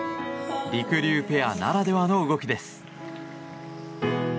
りくりゅうペアならではの動きです。